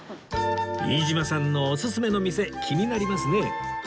飯島さんのオススメの店気になりますね